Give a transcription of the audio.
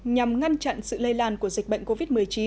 nhằm ngăn chặn sự lây lan của dịch bệnh covid một mươi chín